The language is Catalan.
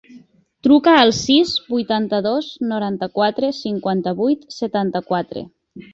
Truca al sis, vuitanta-dos, noranta-quatre, cinquanta-vuit, setanta-quatre.